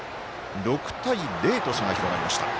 ６対０と、差が広がりました。